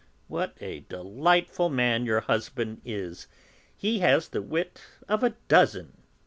"What a delightful man your husband is; he has the wit of a dozen!"